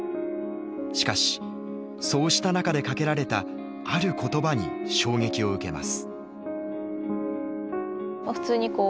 しかしそうした中でかけられたある言葉に衝撃を受けます。